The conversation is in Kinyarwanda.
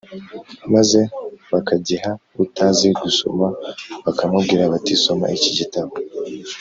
maze bakagiha utazi gusoma bakamubwira bati soma iki gitabo